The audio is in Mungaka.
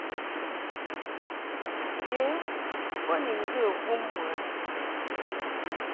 Ke bo ni ŋgə vum mɨ a.